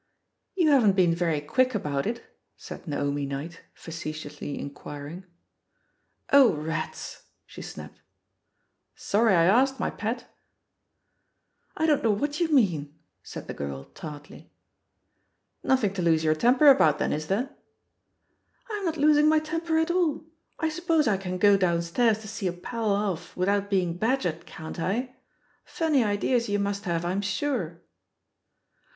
"You haven't been very quick about it?" said tN^aomi Knight, facetiously inquiring. "Oh, rats !" she snapped. Sorry I asked, my pet I" "I don't know what you mean, said the girl tartly. 80 THE POSITION OF PEGGY HARPER "Nothing to lose your temper about^ then, is there?" "I'm not losing my temper at all. I suppose I can go downstairs to see a pal off without being badgered, can't I ? Funny ideas you must have, I'm sure!"